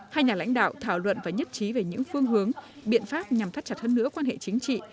hai nhà lãnh đạo thảo luận và nhất trí về những phương hướng biện pháp nhằm thắt chặt hơn nữa quan hệ chính trị